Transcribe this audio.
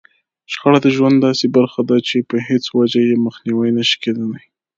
شخړه د ژوند داسې برخه ده چې په هېڅ وجه يې مخنيوی نشي کېدلای.